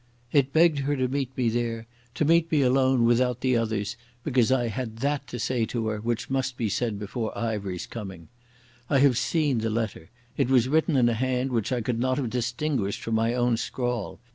It begged her to meet me there, to meet me alone without the others, because I had that to say to her which must be said before Ivery's coming. I have seen the letter. It was written in a hand which I could not have distinguished from my own scrawl.